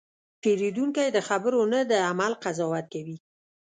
پیرودونکی د خبرو نه، د عمل قضاوت کوي.